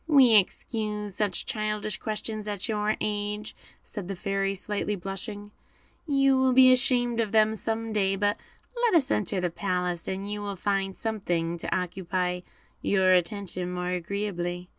"We excuse such childish questions at your age," said the Fairy, slightly blushing; "you will be ashamed of them some day; but let us enter the palace, and you will find something to occupy your attention more agreeably."